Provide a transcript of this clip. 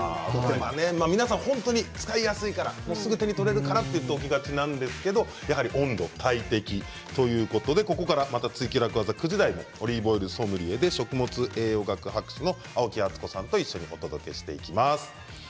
皆さん使いやすいからすぐ手に取れるからといって置きがちなんですが温度大敵ということでここから「ツイＱ楽ワザ」９時台にオリーブオイルソムリエで食物栄養学博士の青木敦子さんと一緒にお届けしていきます。